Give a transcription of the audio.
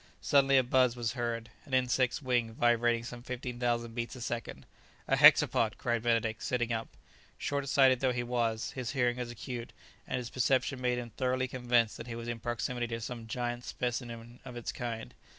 Suddenly a buzz was heard, an insect's wing vibrating some fifteen thousand beats a second! "A hexapod!" cried Benedict, sitting up. Short sighted though he was, his hearing was acute, and his perception made him thoroughly convinced that he was in proximity to some giant specimen of its kind.